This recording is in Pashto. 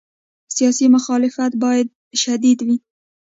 سیاسي مخالفت باید شدید وي.